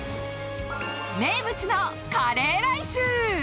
名物のカレーライス。